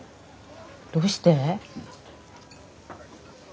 どうして？